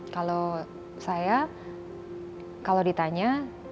kalau saya kalau ditanya